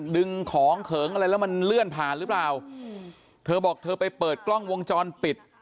ดึงของเขิงอะไรแล้วมันเลื่อนผ่านหรือเปล่าเธอบอกเธอไปเปิดกล้องวงจรปิด